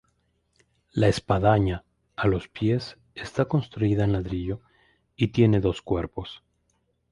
La espadaña, a los pies, está construida en ladrillo y tiene dos cuerpos.